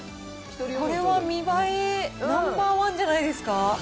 これは見栄えナンバー１じゃないですか。